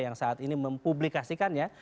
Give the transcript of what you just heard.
yang saat ini mempublikasikannya